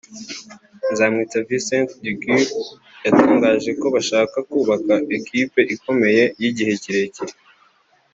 Nzamwita Vincent De Gaulle yatangaje ko bashaka kubaka ikipe ikomeye y’igihe kirekire